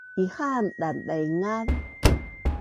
Ihaan daan-daingaz